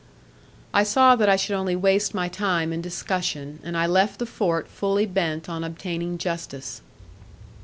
I saw that I should only waste my time in discussion, and I left the fort fully bent on obtaining justice.